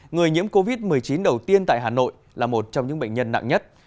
người nhiễm covid một mươi chín đầu tiên tại hà nội là một trong những bệnh nhân nặng nhất